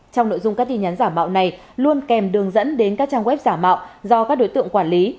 trong nội dung các tin nhắn giả mạo này luôn kèm đường dẫn đến các trang web giả mạo do các đối tượng quản lý